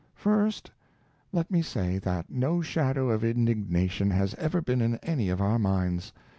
First let me say that no shadow of indignation has ever been in any of our minds.